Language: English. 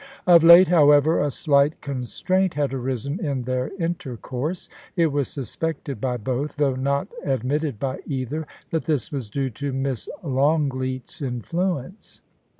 Of late, however, a slight constraint had arisen in their intercourse. It was suspected by both, though not admitted by either, that this was due to Miss Longleat's influence.